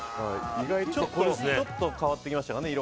ちょっと変わってきましたね